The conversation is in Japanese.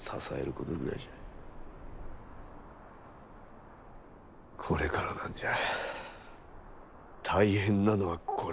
これからなんじゃ大変なのはこれからなんじゃ。